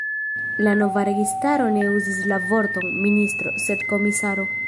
La nova registaro ne uzis la vorton „ministro”, sed komisaro.